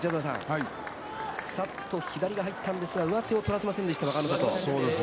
さっと左が入ったんですが上手を取らせませんでした。